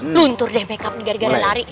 luntur deh makeup digari gari lari